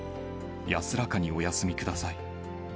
安らかにおやすみください。